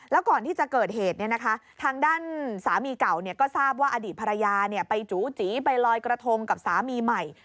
แล้วก่อนที่จะเกิดเหตุทางด้านสามีเก่าก็ทราบว่าอดีตภรรยาไปจูจีไปลอยกระทงกับสามีใหม่